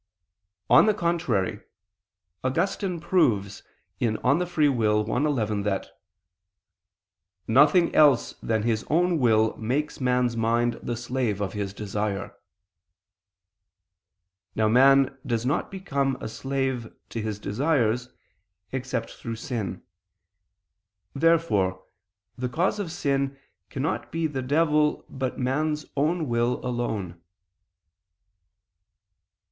On the contrary, Augustine proves (De Lib. Arb. i, 11) that "nothing else than his own will makes man's mind the slave of his desire." Now man does not become a slave to his desires, except through sin. Therefore the cause of sin cannot be the devil, but man's own will alone.